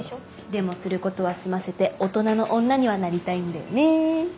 でもすることは済ませて大人の女にはなりたいんだよね。